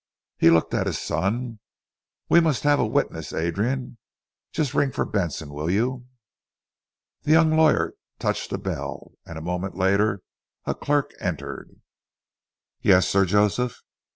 He looked at his son. "We must have a witness, Adrian. Just ring for Benson, will you?" The young lawyer touched a bell, and a moment later a clerk entered. "Yes, Sir Joseph."